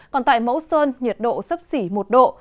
còn tại mẫu sơn nhiệt độ sấp xỉ một độ